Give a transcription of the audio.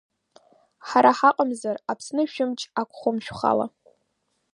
Ҳара ҳаҟамзар, Аԥсны шәымч ақәхом шәхала.